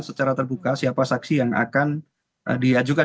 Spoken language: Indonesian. secara terbuka siapa saksi yang akan diajukan